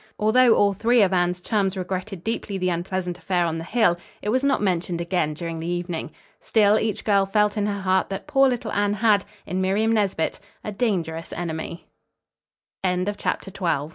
Although all three of Anne's chums regretted deeply the unpleasant affair on the hill it was not mentioned again during the evening. Still, each girl felt in her heart that poor little Anne had, in Miriam Nesbit, a dangerous enemy. CHAPTER XIII CHRISTMAS HOLIDAYS "Here's